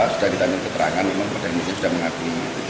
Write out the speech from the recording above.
sudah ditandai keterangan memang pada musim sudah mengakui